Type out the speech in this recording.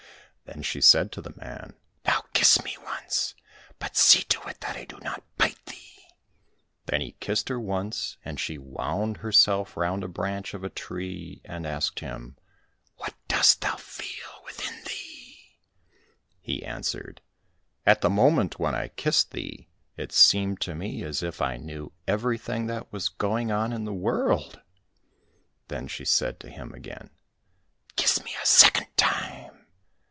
Then she said to the man, '' Now kiss me once, but see to it that I do not bite thee !"— Then he kissed her once, and she wound herself round a branch of a tree and asked him, " What dost thou feel within thee }"— He answered, " At the moment when I kissed thee it seemed to me as if I knew everything that was going on in the world !"— Then she said to him again, " Kiss me a second time